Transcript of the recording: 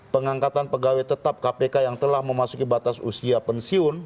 pengangkatan pegawai tetap kpk yang telah memasuki batas usia pensiun